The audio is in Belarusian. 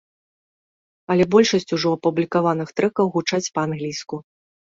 Але большасць ужо апублікаваных трэкаў гучаць па-англійску.